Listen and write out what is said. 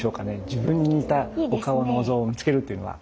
自分に似たお顔のお像を見つけるっていうのは？